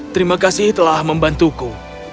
terima kasih telah membantuku